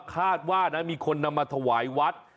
คาดว่านะมีคนนำมาถวายวัด